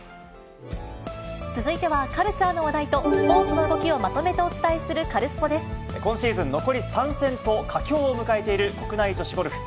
続いては、カルチャーの話題とスポーツの動きをまとめてお伝えする、カルス今シーズン、残り３戦と、佳境を迎えている国内女子ゴルフ。